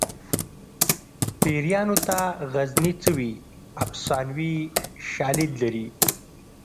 پیریانو ته غزني څه وي افسانوي شالید لري